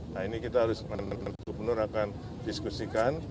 nah ini kita harus gubernur akan diskusikan